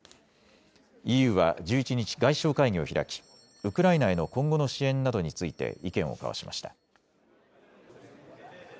ＥＵは１１日、外相会議を開きウクライナへの今後の支援などについて意見を交わしました。